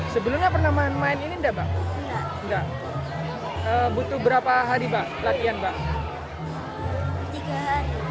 sebelumnya pernah main ini enggak mas